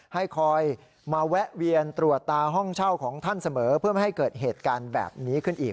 ให้คอยมาแวะเวียนตรวจตาห้องเช่าของท่านเสมอเพื่อไม่ให้เกิดเหตุการณ์แบบนี้ขึ้นอีก